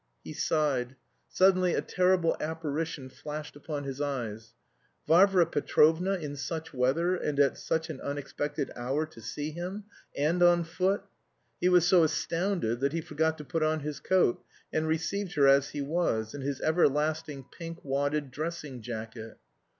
He sighed. Suddenly a terrible apparition flashed upon his eyes: Varvara Petrovna in such weather and at such an unexpected hour to see him! And on foot! He was so astounded that he forgot to put on his coat, and received her as he was, in his everlasting pink wadded dressing jacket.